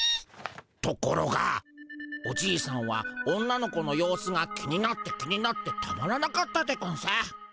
ところがおじいさんは女の子の様子が気になって気になってたまらなかったでゴンス。